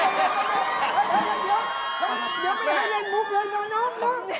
เดี๋ยวไม่ให้เรียนมุกเลย